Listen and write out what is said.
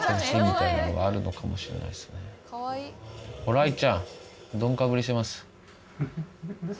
雷ちゃんどんかぶりしてます。